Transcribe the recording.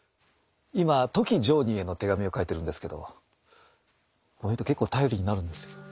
今富木常忍への手紙を書いてるんですけどこの人結構頼りになるんですよ。